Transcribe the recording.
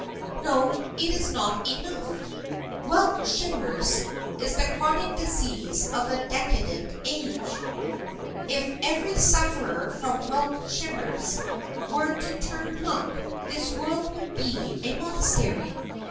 "No, it is not enough. Welt Schmerz is the chronic disease of a decadent age. If every sufferer from Welt Schmerz were to turn monk, this world would be a monastery.